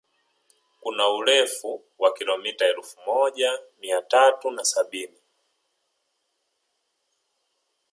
Kuna urefu wa kilomita elfu moja mia tatu na sabini